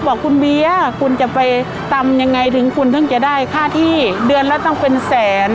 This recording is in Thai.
บอกคุณเบียร์คุณจะไปตำยังไงถึงคุณถึงจะได้ค่าที่เดือนละต้องเป็นแสน